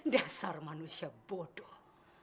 dasar manusia bodoh